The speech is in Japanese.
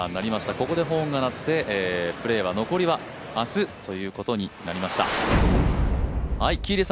ここでホーンが鳴って、プレーは残りは明日ということになりました。